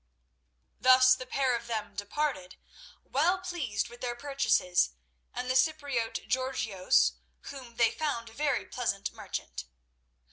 Thus the pair of them departed, well pleased with their purchases and the Cypriote Georgios, whom they found a very pleasant merchant.